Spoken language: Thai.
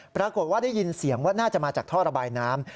ปรากฏว่าได้ยินเสียงว่าน่าจะมาจากท่อระบายน้ำ